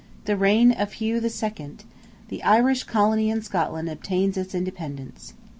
REIGN OF HUGH II.—THE IRISH COLONY IN SCOTLAND OBTAINS ITS INDEPENDENCE.